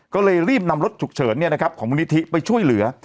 ก็เลยรีบนำรถฉุกเฉินของมูลนิธิไปช่วยเหลือ